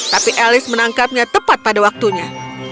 tapi elis menangkapnya tepat pada waktunya